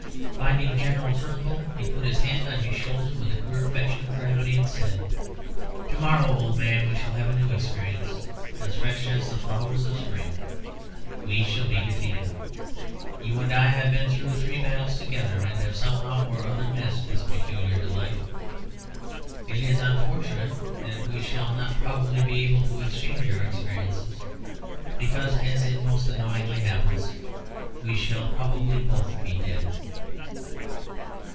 Finding General Turnbull, he put his hand on his shoulder with a queer affection and gravity, and said "To morrow, old man, we shall have a new experience, as fresh as the flowers of spring. We shall be defeated. You and I have been through three battles together, and have somehow or other missed this peculiar delight. It is unfortunate that we shall not probably be able to exchange our experiences, because, as it most annoyingly happens, we shall probably both be dead."